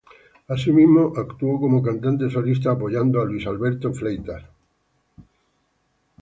Asimismo actuó como cantante solista apoyando a Luis Alberto Fleitas..